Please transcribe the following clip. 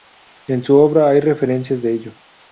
En su obra hay referencias de ello.